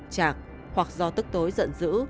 chạc hoặc do tức tối giận dữ